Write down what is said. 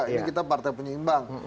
ini kita partai penyimbang